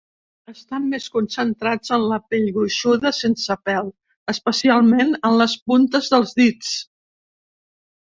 Estan més concentrats en la pell gruixuda sense pèl, especialment en les puntes dels dits.